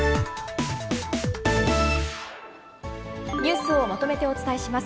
ニュースをまとめてお伝えします。